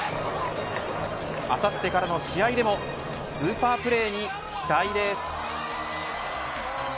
あさってからの試合でもスーパープレーに期待です。